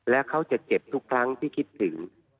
และเขาจะเจ็บทุกครั้งที่คิดถึง